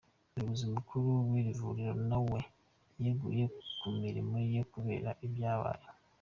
Umuyobozi mukuru w'iri vuriro na we yeguye ku mirimo ye kubera ibyabaye.